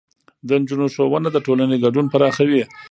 د نجونو ښوونه د ټولنې ګډون پراخوي.